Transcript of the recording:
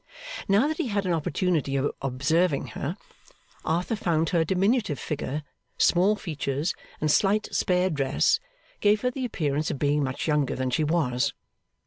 Now that he had an opportunity of observing her, Arthur found that her diminutive figure, small features, and slight spare dress, gave her the appearance of being much younger than she was.